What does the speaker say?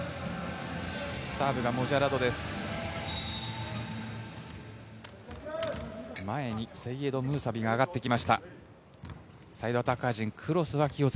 サーブがムジャラドです。